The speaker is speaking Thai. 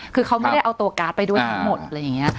คือเขาไม่ได้เอาตัวการ์ดไปด้วยทั้งหมดอะไรอย่างนี้